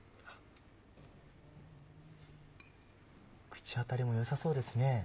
口当たりも良さそうですね。